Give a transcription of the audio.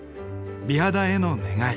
美肌への願い。